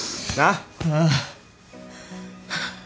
ああ。